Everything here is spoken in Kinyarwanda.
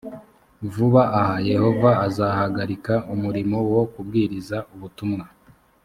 vuba aha yehova azahagarika umurimo wo kubwiriza ubutumwa